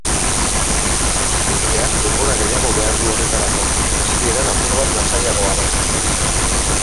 Printzeak denbora gehiago behar du horretarako, hasieran apur bat lasaiagoa baita.